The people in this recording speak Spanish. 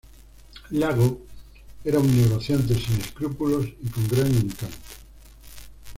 Lago era un ""negociante sin escrúpulos y con gran encanto"".